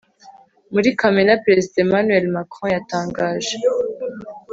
muri kamena, perezida emmanuel macron yatangaje